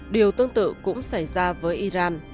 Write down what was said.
điều tương tự cũng xảy ra với iran